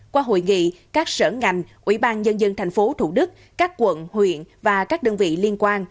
qua hội nghị các sở ngành ủy ban nhân dân tp thủ đức các quận huyện và các đơn vị liên quan